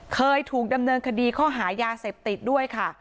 เคยถูกดำเนินคดีข้อหายาเสพติดด้วยค่ะ